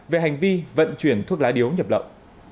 về hành vi vận chuyển thuốc lá điếu nhập lậu